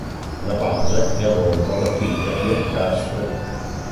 Alla base è avvolta da fibre biancastre.